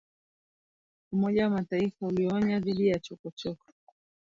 Umoja wa Mataifa ulionya dhidi ya chokochoko